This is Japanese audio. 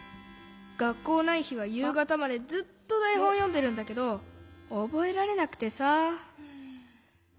がっこうないひはゆうがたまでずっとだいほんよんでるんだけどおぼえられなくてさ。